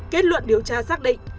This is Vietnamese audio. kết luận điều tra xác định